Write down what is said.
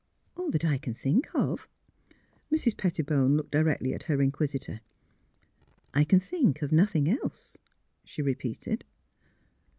" ''All that I think of." Mrs. Pettiborne looked directly at her inquisi tor. " I can think of nothing else," she re peated.